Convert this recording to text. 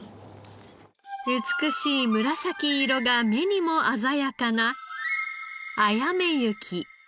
美しい紫色が目にも鮮やかなあやめ雪。